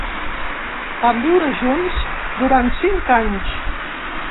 Van viure junts durant cinc anys.